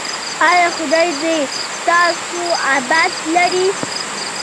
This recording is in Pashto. ایا خدای دې تاسو اباد لري؟